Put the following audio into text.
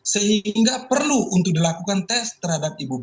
sehingga perlu untuk dilakukan tes terhadap ibu b